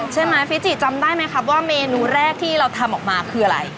ใช่ไหมฟิจิจำได้ไหมครับว่าเมนูแรกที่เราทำออกมาคืออะไร